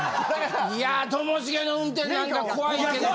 いやともしげの運転なんか怖いんだけどなあ。